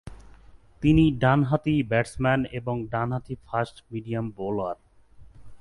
তিনি ডানহাতি ব্যাটসম্যান এবং ডানহাতি ফাস্ট মিডিয়াম বোলার।